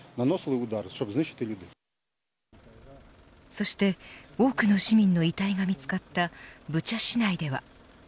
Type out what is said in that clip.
そして多くの市民の遺体が見つかったブチャ市内では。